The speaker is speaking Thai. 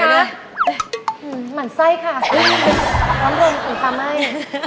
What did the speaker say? คุณคะหมั่นไส้ค่ะรับรวมของคำให้